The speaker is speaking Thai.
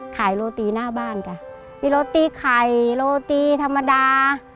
โรตีหน้าบ้านจ้ะมีโรตีไข่โรตีธรรมดา